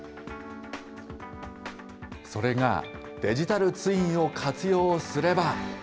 それがデジタルツインを活用すれば。